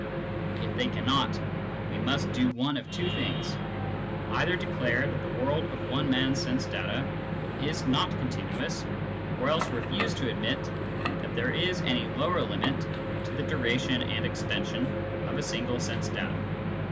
If they cannot, we must do one of two things : either declare that the world of one man's sense data is not continuous, or else refuse to admit that there is any lower limit to the duration and extension of a single sense datum.